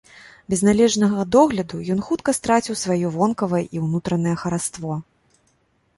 Без належнага догляду ён хутка страціў сваё вонкавае і ўнутранае хараство.